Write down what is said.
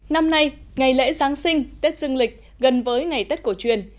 năm nay ngày lễ giáng sinh tết dương lịch gần với ngày tết cổ truyền